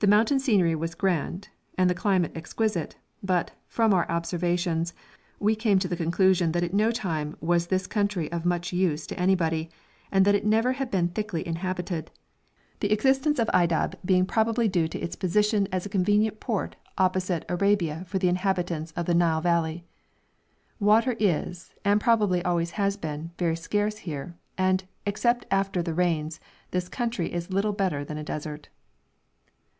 The mountain scenery was grand, and the climate exquisite, but, from our observations, we came to the conclusion that at no time was this country of much use to anybody, and that it never had been thickly inhabited, the existence of Aydab being probably due to its position as a convenient port opposite Arabia for the inhabitants of the Nile Valley. Water is, and probably always has been, very scarce here, and, except after the rains, this country is little better than a desert.